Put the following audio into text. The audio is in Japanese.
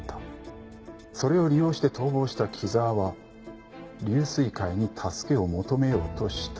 それを利用して逃亡した木沢は龍翠会に助けを求めようとした。